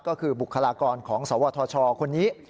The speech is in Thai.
ก็คือบุคลากรของสวทชคนนี้